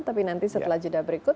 tapi nanti setelah jeda berikut